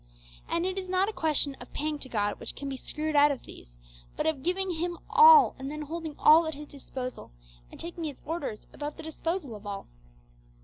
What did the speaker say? And it is not a question of paying to God what can be screwed out of these, but of giving Him all, and then holding all at His disposal, and taking His orders about the disposal of all.